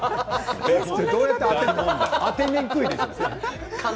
そうしたら当てにくいでしょ。